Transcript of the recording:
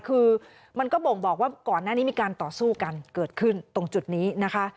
คือมันก็บ่งบอกว่าก่อนหน้านี้มีการต่อสู้กันเกิดขึ้นตรงจุดนี้นะคะ